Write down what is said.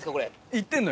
行ってんの？